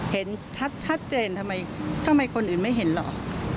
เห็นชัดเจนทำไมคนอื่นไม่เห็นหรอ